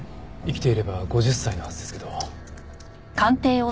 生きていれば５０歳のはずですけど。